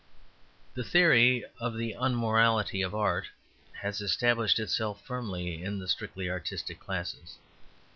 The theory of the unmorality of art has established itself firmly in the strictly artistic classes.